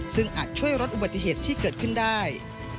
ซึ่งอาจช่วยลดอุบัติเหตุที่เกิดขึ้นได้